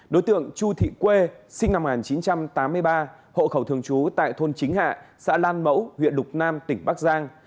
đối tượng chu thị quê sinh năm một nghìn chín trăm tám mươi ba hộ khẩu thường trú tại thôn chính hạ xã lan mẫu huyện lục nam tỉnh bắc giang